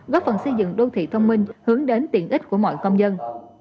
góp phần xây dựng đô thị thông minh hướng đến tiện ích của mọi công dân